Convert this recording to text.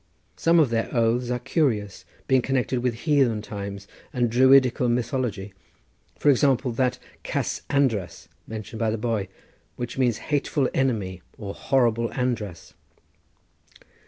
Some of their oaths are curious, being connected with heathen times and Druidical mythology; for example that Cas András mentioned by the boy, which means hateful enemy or horrible András.